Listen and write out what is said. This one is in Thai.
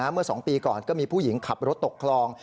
เมื่อ๒ปีก่อนก็มีผู้หญิงขับรถตกคลอง